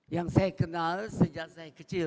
yang saya kenal sejak saya kecil